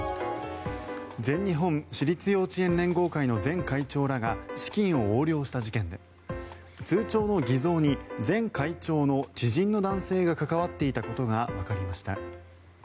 全日本私立幼稚園連合会の前会長らが資金を横領した事件で通帳の偽造に前会長の知人の男性が関わっていたことがわかりました。